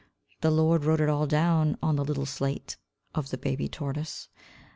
The Lord wrote it all down on the little slate Of the baby tortoise.